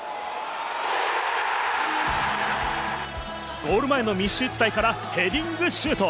ゴール前の密集地帯からヘディングシュート！